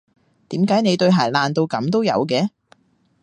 點解你對鞋爛到噉都有嘅？